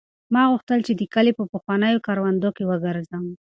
ما غوښتل چې د کلي په پخوانیو کروندو کې وګرځم.